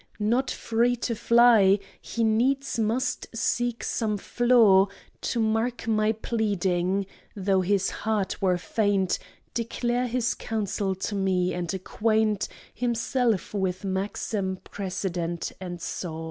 Not free to fly, he needs must seek some flaw To mar my pleading, though his heart were faint; Declare his counsel to me, and acquaint Himself with maxim, precedent, and saw.